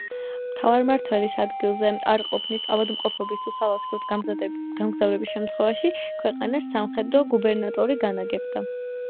მთავარმმართველის ადგილზე არყოფნის, ავადმყოფობის თუ სალაშქროდ გამგზავრების შემთხვევაში ქვეყანას სამხედრო გუბერნატორი განაგებდა.